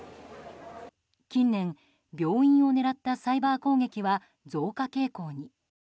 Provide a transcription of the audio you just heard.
近年、病院を狙ったサイバー攻撃は増加傾向に。